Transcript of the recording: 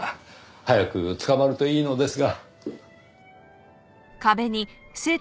早く捕まるといいのですが。